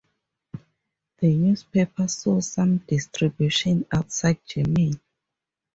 The newspaper saw some distribution outside Germany.